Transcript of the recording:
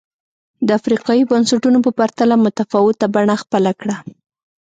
د افریقايي بنسټونو په پرتله متفاوته بڼه خپله کړه.